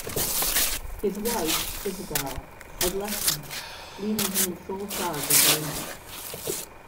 His wife, Isobel, had left him, leaving him in sole charge of Raymond.